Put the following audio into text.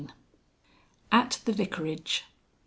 AT THE VICARAGE. X.